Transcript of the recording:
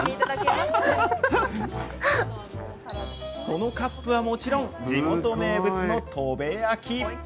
そのカップは、もちろん地元名物の砥部焼。